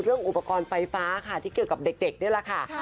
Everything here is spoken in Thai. เรื่องอุปกรณ์ไฟฟ้าค่ะที่เกี่ยวกับเด็กเนี่ยแหละค่ะค่ะ